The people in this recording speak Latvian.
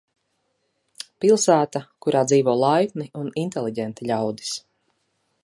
Pilsēta, kurā dzīvo laipni un inteliģenti ļaudis.